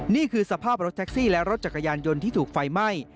นี่คือสภาพรถแท็กซี่และรถจักรยานยนต์ที่ถูกไฟไหม้